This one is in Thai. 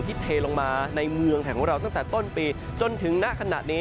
ที่เทลงมาในเมืองของเราตั้งแต่ต้นปีจนถึงนาขนาดนี้